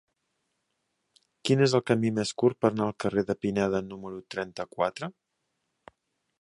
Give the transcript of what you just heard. Quin és el camí més curt per anar al carrer de Pineda número trenta-quatre?